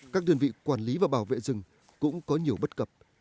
các đơn vị quản lý và bảo vệ rừng cũng có nhiều bất cập